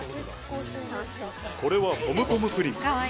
これはポムポムプリン。